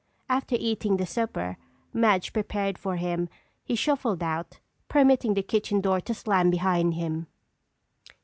After eating the supper Madge prepared for him, he shuffled out, permitting the kitchen door to slam behind him.